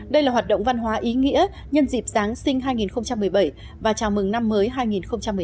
đây là hoạt động văn hóa ý nghĩa nhân dịp giáng sinh hai nghìn một mươi bảy và chào mừng năm mới hai nghìn một mươi chín